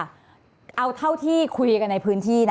เอาเท่าที่คุยกันในพื้นที่นะ